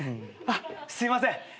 あっすいません。